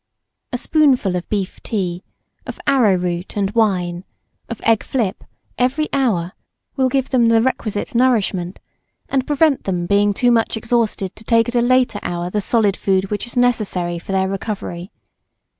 A spoonful of beef tea, of arrowroot and wine, of egg flip, every hour, will give them the requisite nourishment, and prevent them from being too much exhausted to take at a later hour the solid food, which is necessary for their recovery.